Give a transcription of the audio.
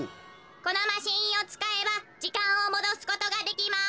このマシーンをつかえばじかんをもどすことができます。